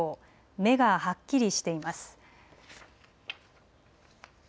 目がはっきりしています。